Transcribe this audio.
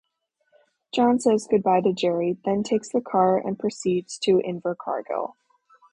John says goodbye to Gerry, then takes the car and proceeds to Invercargill.